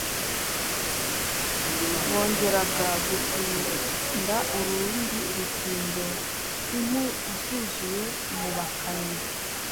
bongeraga gutinda urundi rutindo impu zivuye mu bakannyi